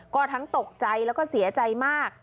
ก็ทั้งตกใจแล้วก็เสียใจมาก